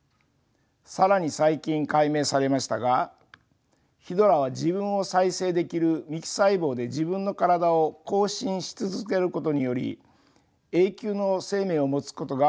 更に最近解明されましたがヒドラは自分を再生できる幹細胞で自分の体を更新し続けることにより永久の生命を持つことが明らかになりました。